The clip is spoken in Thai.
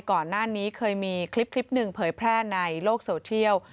ก่อนหน้านี้เคยมีคลิปหนึ่งเผยแพร่ในโลกโซเทียล